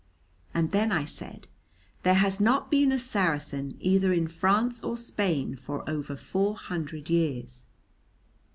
And then I said, "There has not been a Saracen either in France or Spain for over four hundred years."